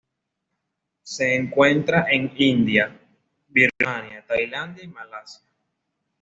Se encuentra en India, Birmania, Tailandia y Malasia.